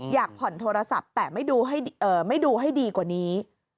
อยากผ่อนโทรศัพท์แต่ไม่ดูให้ดีกว่านี้